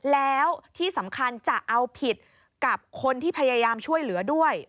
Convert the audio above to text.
แล้วที่สำคัญจะเอาผิดกับคนที่พยายามช่วยเหลือด้วย